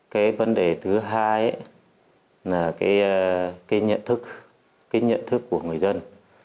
cái vấn đề thứ hai là cái nhận thức của người dân